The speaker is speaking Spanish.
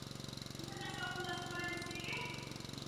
Pertenece a la subfamilia Caesalpinioideae.